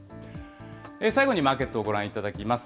最後にマーケットをご覧いただきます。